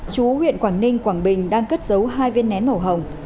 chú huyện quảng ninh quảng bình đang cất giấu hai viên nén màu hồng